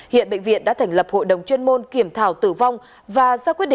hiện bệnh viện đã thành lập hội đồng chuyên môn kiểm thảo tử vong và ra quyết định